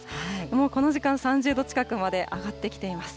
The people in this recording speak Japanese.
もうこの時間、３０度近くまで上がってきています。